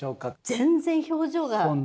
全然表情が。